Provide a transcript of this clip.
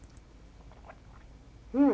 うん！